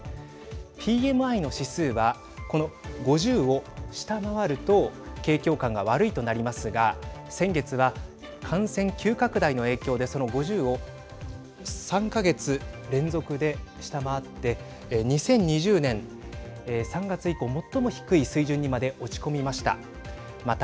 ＰＭＩの指数はこの５０を下回ると景況感が悪いとなりますが先月は感染急拡大の影響でその５０を３か月連続で下回って２０２０年３月以降最も低い水準にまで落ち込みました。